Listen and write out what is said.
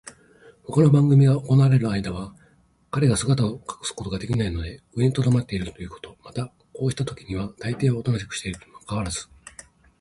ほかの番組が行われるあいだは、彼が姿を隠すことができないので上にとどまっているということ、またこうしたときにはたいていはおとなしくしているにもかかわらず、